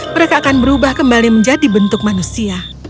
mereka akan berubah kembali menjadi bentuk manusia